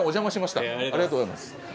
ありがとうございます。